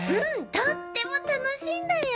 とってもたのしいんだよ。